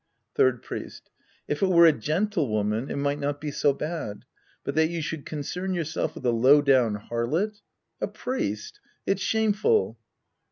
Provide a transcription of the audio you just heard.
Third Priest. If it were a gentlewoman, it might not be so bad ; but that you should concern yourself with a low down harlot ! A priest ! It's shameful.